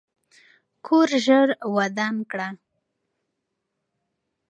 کور ژر ودان کړه.